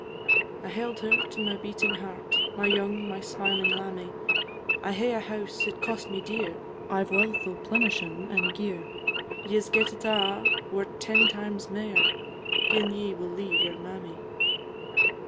"I held her to my beating heart, My young, my smiling lammie! 'I hae a house, it cost me dear; I 've wealth o' plenishin' and gear; Ye 'se get it a', were 't ten times mair, Gin ye will leave your mammy.'